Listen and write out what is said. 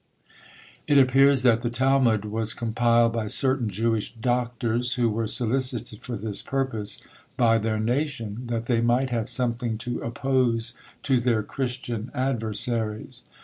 It appears that the Talmud was compiled by certain Jewish doctors, who were solicited for this purpose by their nation, that they might have something to oppose to their Christian adversaries.